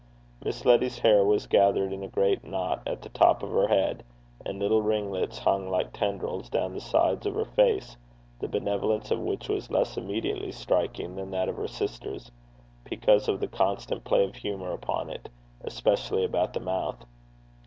Miss Letty's hair was gathered in a great knot at the top of her head, and little ringlets hung like tendrils down the sides of her face, the benevolence of which was less immediately striking than that of her sister's, because of the constant play of humour upon it, especially about the mouth.